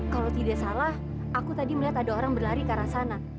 kalau tidak salah aku tadi melihat ada orang berlari ke arah sana